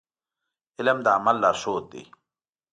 علم د عمل لارښود دی.